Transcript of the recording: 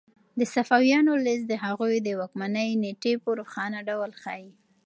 د صفویانو لیست د هغوی د واکمنۍ نېټې په روښانه ډول ښيي.